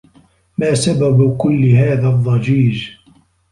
ما سبب كلّ هذا الضّجيج؟